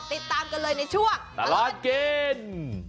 ติดตามกันเลยในช่วงตลอดกิน